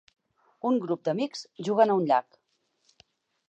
Un grup d'amics juguen a un llac.